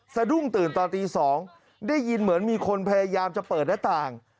สะดุ้งตื่นตอนตี๒ได้ยินเหมือนมีคนพยายามจะเปิดหน้าต่าง